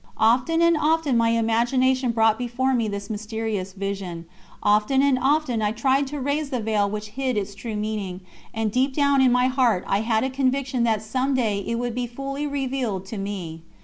Often and often my imagination brought before me this mysterious vision, often and often I tried to raise the veil which hid its true meaning, and deep down in my heart I had a conviction that some day it would be fully revealed to me.